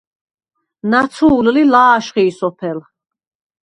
ნაცუ̄ლ ლი ლა̄შხი სოფელ.